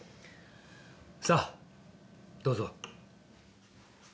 さあどうぞ。